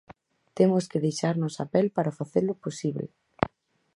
Temos que deixarnos a pel para facelo posíbel.